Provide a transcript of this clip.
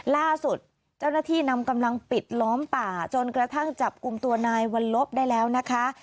ล่าสุดเจ้าหน้าที่นำกำลังปิดล้อมป่าจนกระทั่งจับกลุ่มตัวนายวัลลบได้แล้วนะคะ